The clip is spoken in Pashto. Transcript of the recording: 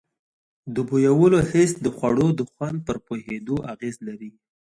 د بویولو حس د خوړو د خوند پر پوهېدو اغیز لري.